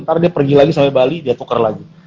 ntar dia pergi lagi sampe bali dia tuker lagi